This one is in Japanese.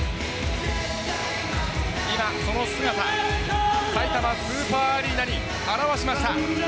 今、その姿をさいたまスーパーアリーナに現しました。